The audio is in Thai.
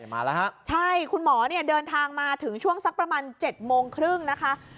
มาแล้วฮะใช่คุณหมอเนี่ยเดินทางมาถึงช่วงสักประมาณ๗โมงครึ่งนะคะ